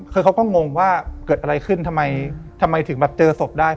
คือเขาก็งงว่าเกิดอะไรขึ้นทำไมทำไมถึงแบบเจอศพได้